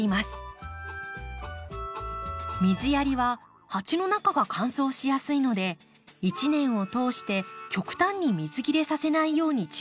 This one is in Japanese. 水やりは鉢の中が乾燥しやすいので一年を通して極端に水切れさせないように注意します。